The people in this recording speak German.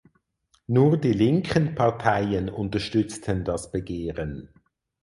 Nur die linken Parteien unterstützten das Begehren.